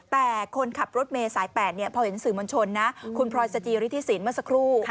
แต่คนขับรถเมย์สายแปดเนี่ยพอเห็นสื่อมณชนนะคุณพรอยสตรียฤทธิศีลเมื่อสักครู่